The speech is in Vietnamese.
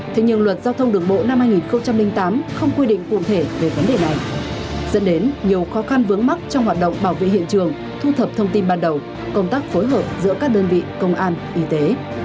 thế nhưng luật giao thông đường bộ năm hai nghìn tám không quy định cụ thể về vấn đề này dẫn đến nhiều khó khăn vướng mắt trong hoạt động bảo vệ hiện trường thu thập thông tin ban đầu công tác phối hợp giữa các đơn vị công an y tế